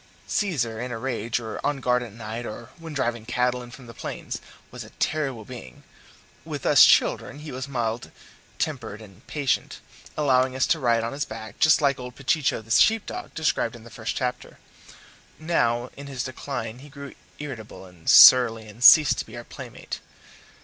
Caesar in a rage, or on guard at night, or when driving cattle in from the plains, was a terrible being; with us children he was mild tempered and patient, allowing us to ride on his back, just like old Pechicho the sheep dog, described in the first chapter. Now, in his decline, he grew irritable and surly, and ceased to be our playmate.